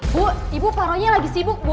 bu ibu parohnya lagi sibuk bu